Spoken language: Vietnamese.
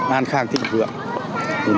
an khang thịnh vượng